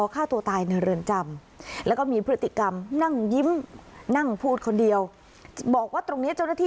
คือคือคือคือ